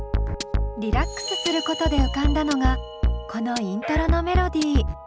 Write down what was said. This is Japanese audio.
リラックスすることで浮かんだのがこのイントロのメロディー。